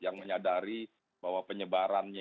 yang menyadari bahwa penyebarannya